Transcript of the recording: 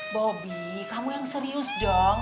bobby kamu yang serius dong